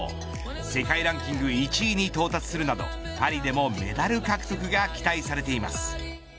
世界ランキング１位に到達するなどパリでもメダル獲得が期待されています。